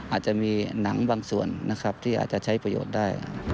อาจจะมีหนังบางส่วนนะครับที่อาจจะใช้ประโยชน์ได้